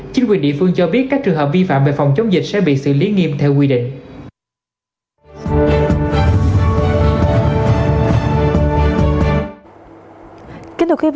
chính quyền địa phương cho biết các trường hợp vi phạm về phòng chống dịch sẽ bị xử lý nghiêm theo quy định